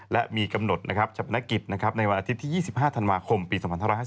และมีกำหนดชะพนักกิจในวันอาทิตย์ที่๒๕ธันวาคมปี๒๕๕๙